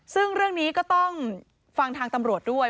ซึ่งเรื่องนี้ก็ต้องฟังทางตำรวจด้วย